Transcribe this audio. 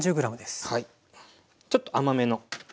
ちょっと甘めの。